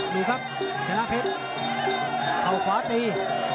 ดูครับชนะเพชรเข้าขวาตี